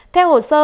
theo hồ sơ